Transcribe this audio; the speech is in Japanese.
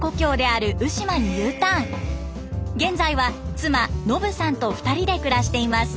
現在は妻伸さんと２人で暮らしています。